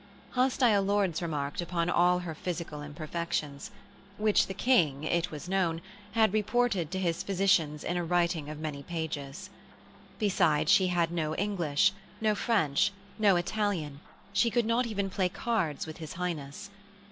Hostile lords remarked upon all her physical imperfections, which the King, it was known, had reported to his physicians in a writing of many pages. Besides, she had no English, no French, no Italian; she could not even play cards with his Highness.